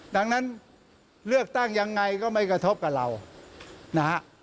ดังนั้นเลือกตั้งยังไงก็ไม่กระทบกับเรานะฮะ